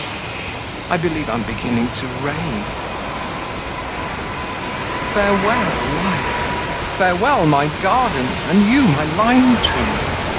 I believe I'm beginning to rave. Farewell, life! farewell, my garden! and you, my lime trees!